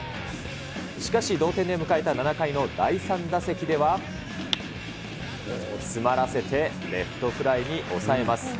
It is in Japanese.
しかし同点で迎えた７回の第３打席では、詰まらせてレフトフライに抑えます。